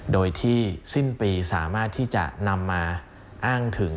โดยที่สิ้นปีสามารถที่จะนำมาอ้างถึง